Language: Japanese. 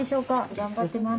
頑張ってます。